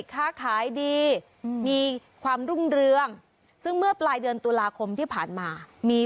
ค้าขายดีมีความรุ่งเรืองซึ่งเมื่อปลายเดือนตุลาคมที่ผ่านมามี